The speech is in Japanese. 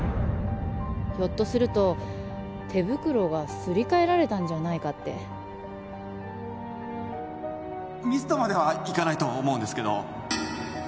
ひょっとすると手袋がすり替えられたんじゃないかってミスとまではいかないと思うんですけど